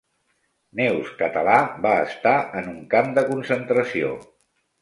Neus Català va estar en un camp de concentració